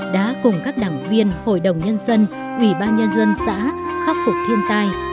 đã cùng các đảng viên hội đồng nhân dân ủy ban nhân dân xã khắc phục thiên tai